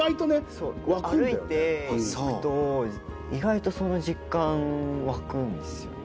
そう歩いていくと意外とその実感湧くんですよね。